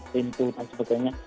pintu dan sebagainya